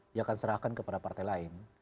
dia akan serahkan kepada partai lain